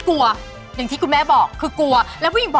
ไม่มีใครช่วยห้ามแม่